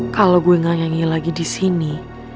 kalau gue gak nyanyi lagi disini